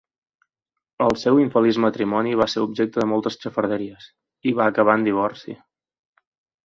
El seu infeliç matrimoni va ser objecte de moltes xafarderies, i va acabar en divorci.